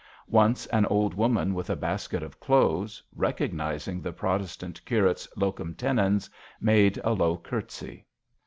Once an old woman with a basket of clothes, recognizing the Protes tant curate's locum tenens, made a low curtsey.